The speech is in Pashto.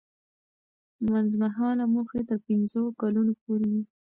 منځمهاله موخې تر پنځو کلونو پورې وي.